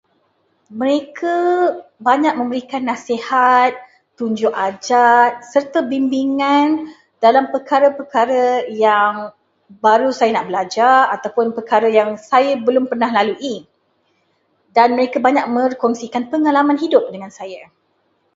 Mereka banyak memberikan nasihat, tunjuk ajar serta bimbingan dalam perkara-perkara yang baru saya nak belajar ataupun perkara yang saya belum pernah lalui, dan mereka banyak berkongsikan pengalaman hidup dengan saya.